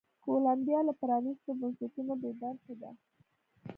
کولمبیا له پرانیستو بنسټونو بې برخې ده.